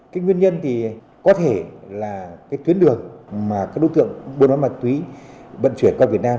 cái nguyên nhân thì có thể là cái tuyến đường mà các đối tượng buôn bán ma túy vận chuyển qua việt nam